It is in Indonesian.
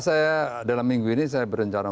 saya dalam minggu ini saya berencana